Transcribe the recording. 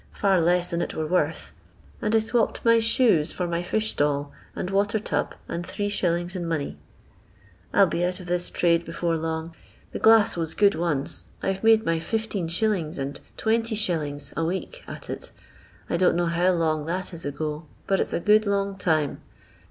far less than it were worth, and I swopped my shoes for my fifth stall, and water tub, and 3«. in money. I '11 be out of this trade before long. The glass was good once; I 've made my 15s. and 20«. a week at it : I don't know how long that is ago, but it's a good long time.